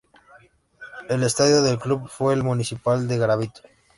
El estadio del club fue el Municipal de Garabito.